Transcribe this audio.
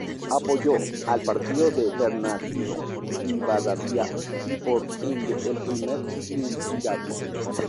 Apoyó al partido de Bernardino Rivadavia, y por ende al Primer Triunvirato.